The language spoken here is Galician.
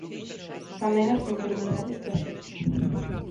Tamén ás enfermidades da psique.